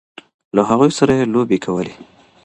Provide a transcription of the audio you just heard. له هغوی سره یې لوبې کولې.